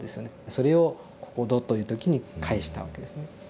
それを「ここぞ」という時に返したわけですね。